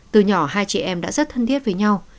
từ nhỏ hai chị em đã rất thân thiết với nhau